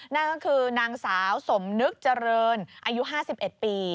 นั่นก็คือนางสาวสมนึกเจริญอายุ๕๑ปี